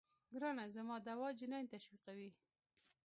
ګرانه زما دوا جنين تشويقوي.